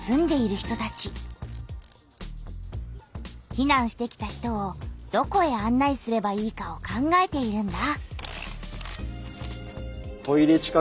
ひなんしてきた人をどこへあん内すればいいかを考えているんだ。